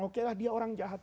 oke lah dia orang jahat